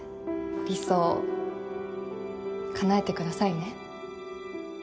理想叶えてくださいね